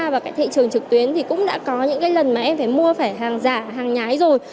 và thị trường trực tuyến cũng đã có những lần mà em phải mua phải hàng giả hàng nhái rồi